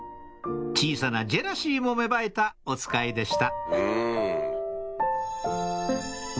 小さなジェラシーも芽生えたおつかいでした